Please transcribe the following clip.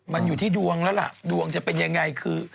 มันอยู่ที่ดวงแล้วล่ะดวงจะเป็นยังไงคือ